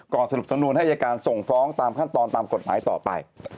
สรุปสำนวนให้อายการส่งฟ้องตามขั้นตอนตามกฎหมายต่อไป